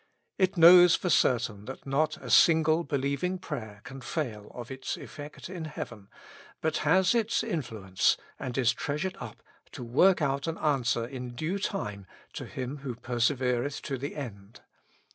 It knows for certain that not a single believing prayer can fail of its effect in heaven, but has its influence, and is treasured up to work out an answer in due time to him who per severeth to the end.